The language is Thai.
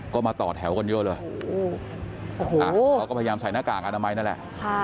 ก็มาต่อแถวกันเยอะเลยเขาก็พยายามใส่หน้ากากอนามัยนั่นแหละ